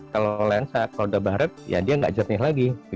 kalau lensa kalau udah bahreb ya dia nggak jernih lagi